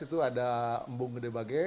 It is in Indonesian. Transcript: itu ada embung gede bage